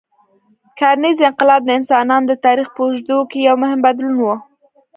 کرنيز انقلاب د انسانانو د تاریخ په اوږدو کې یو مهم بدلون و.